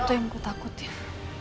yang satu yang aku takutin